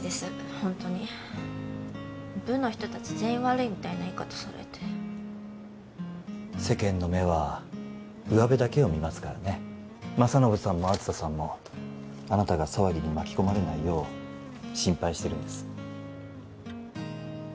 ホントに部の人達全員悪いみたいな言い方されて世間の目はうわべだけを見ますからね政信さんも梓さんもあなたが騒ぎに巻き込まれないよう心配してるんです